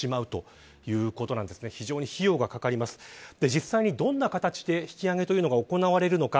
実際にどんな形で引き揚げが行われるのか。